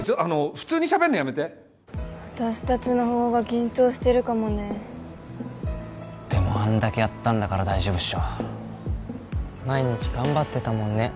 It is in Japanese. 普通にしゃべんのやめて私達の方が緊張してるかもねでもあんだけやったんだから大丈夫っしょ毎日頑張ってたもんね